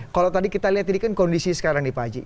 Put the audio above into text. kalau tadi kita lihat ini kan kondisi sekarang nih pak haji